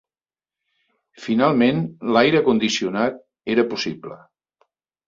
Finalment l'aire condicionat era possible.